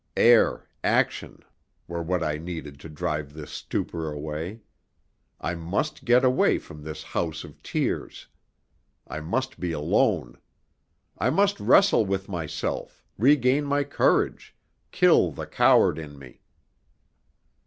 Air, action, were what I needed to drive this stupor away. I must get away from this house of tears. I must be alone. I must wrestle with myself, regain my courage, kill the coward in me.